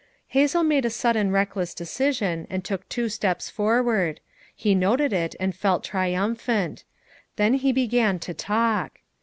Hazel made a sudden reckless decision and took two steps forward; he noted it and felt triumphant. Then he began to talk.